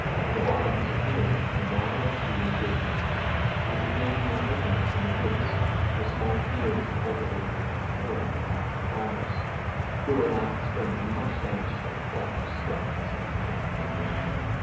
The bottoms are here a mile or two in width, with occasional openings in the woods, where small fields are cultivated by the poorer class of farmers, who were last spring much damaged by the flood which swept this entire country.